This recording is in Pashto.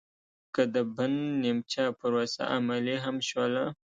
که د بن نیمچه پروسه عملي هم شوله